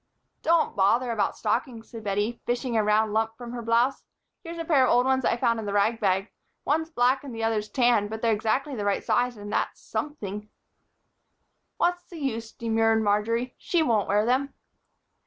"Don't bother about stockings," said Bettie, fishing a round lump from her blouse. "Here's a pair of old ones that I found in the rag bag. One's black and the other's tan; but they're exactly the right size and that's something." "What's the use," demurred Marjory. "She won't wear them."